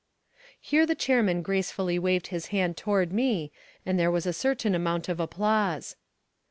Here the chairman gracefully waved his hand toward me and there was a certain amount of applause.